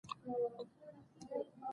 ادب د انسان ښایست دی.